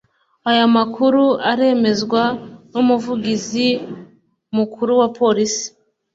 Aya makuru aremezwa n’umuvugizi mukuru wa Polisi